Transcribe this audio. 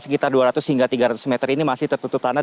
sekitar dua ratus hingga tiga ratus meter ini masih tertutup tanah